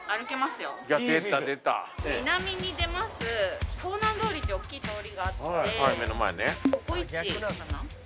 南に出ます高南通りって大きい通りがあってココイチかな。